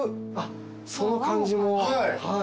その感じもはい。